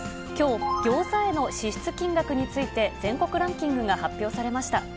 きょう、ギョーザへの支出金額について、全国ランキングが発表されました。